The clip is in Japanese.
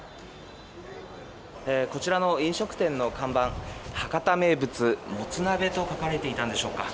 こちらの飲食店の看板博多名物もつ鍋と書かれていたんでしょうか。